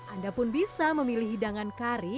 anda pun bisa memilih hidangan kari